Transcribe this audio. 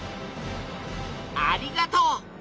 ありがとう！